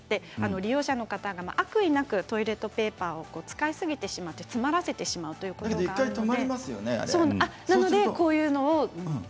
利用者の方が悪意なくトイレットペーパーを使いすぎてしまって、詰まらせてしまうということがあって。